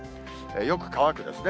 よく乾くですね。